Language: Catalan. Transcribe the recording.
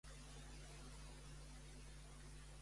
Quan va néixer Maria Josepa Arnall?